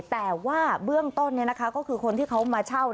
แต่ว่าเบื้องต้นก็คือคนที่เขามาเช่า